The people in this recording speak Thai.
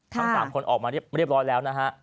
ทั้ง๓คนออกมาเรียบร้อยแล้วนะฮะ